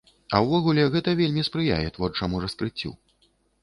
А ўвогуле, гэта вельмі спрыяе творчаму раскрыццю.